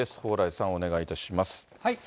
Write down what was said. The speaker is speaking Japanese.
蓬莱さん、お願いいたします。